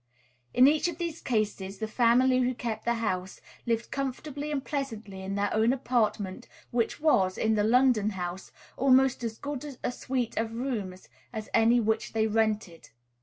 In each of these cases the family who kept the house lived comfortably and pleasantly in their own apartment, which was, in the London house, almost as good a suite of rooms as any which they rented.